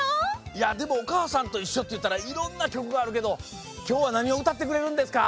いやでも「おかあさんといっしょ」っていったらいろんなきょくがあるけどきょうはなにをうたってくれるんですか？